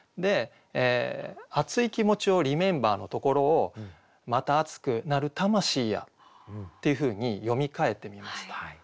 「熱い気持ちをリメンバー」のところを「また熱くなる魂や」っていうふうに詠みかえてみました。